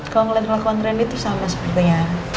kalo ngeliat kelakuan randy tuh sama sepertinya